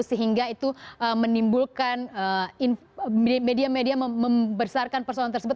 sehingga itu menimbulkan media media membesarkan persoalan tersebut